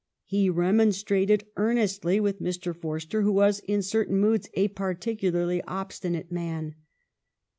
He remonstrated earnestly with Mr. Forster, who was in certain moods a particularly obstinate man.